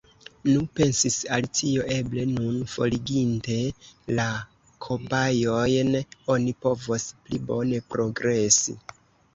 "Nu," pensis Alicio, "eble nun, foriginte la kobajojn, oni povos pli bone progresi."